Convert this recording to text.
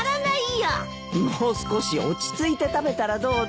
もう少し落ち着いて食べたらどうだい？